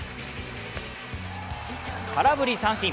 空振り三振。